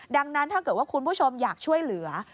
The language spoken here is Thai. ดังนั้นถ้าเกิดว่าคุณผู้ชมอยากช่วยเหลือ